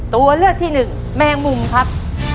ตัวเลือกที่หนึ่งแมงมุมครับ